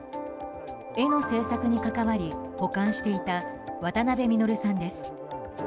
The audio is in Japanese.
絵の制作に関わり保管していた渡辺実さんです。